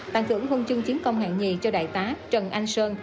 tặng thưởng huân chương chiến công hạng nhì cho đại tá trần anh sơn